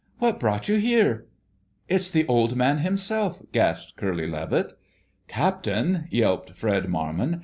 What brought you here—" "It's the Old Man himself!" gasped Curly Levitt. "Captain!" yelped Fred Marmon.